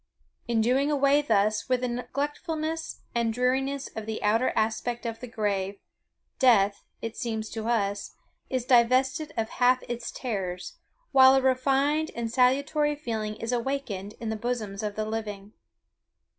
In doing away thus with the neglectfulness and dreariness of the outer aspect of the grave, death, it seems to us, is divested of half its terrors, while a refined and salutary feeling is awakened in the bosoms of the living.